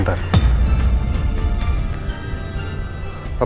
aku habis ketemu temen aku sayang